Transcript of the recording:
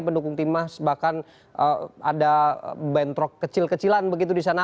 pendukung timnas bahkan ada bentrok kecil kecilan begitu di sana